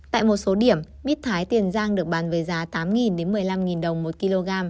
tại một số điểm mít thái tiền giang được bán với giá tám một mươi năm đồng một kg